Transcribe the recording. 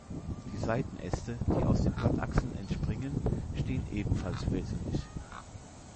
Die Seitenäste, die aus den Blattachseln entspringen, stehen ebenfalls wirtelig.